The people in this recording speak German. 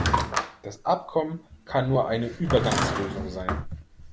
Das Abkommen kann nur eine Übergangslösung sein.